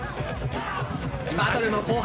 バトルの後半。